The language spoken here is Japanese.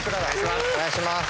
お願いします。